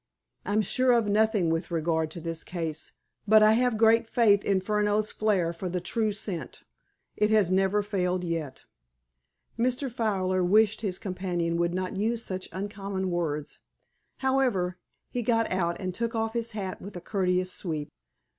"I'm sure of nothing with regard to this case. But I have great faith in Furneaux's flair for the true scent. It has never failed yet." Mr. Fowler wished his companion would not use such uncommon words. However, he got out, and took off his hat with a courteous sweep.